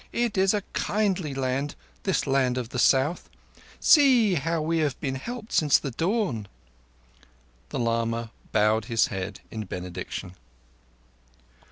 It is a kindly land, this land of the South. See how we have been helped since the dawn!" The lama bowed his head in benediction.